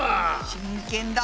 真剣だ！